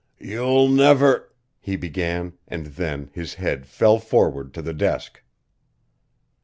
"You'll never " he began, and then his head fell forward to the desk.